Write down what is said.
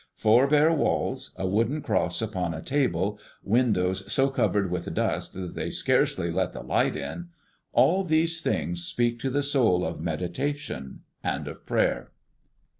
Four bare walls, a wooden cross upon a table, windows so covered with dust that they scarcely let the light in, all these things speak to the soul of meditation and of prayer.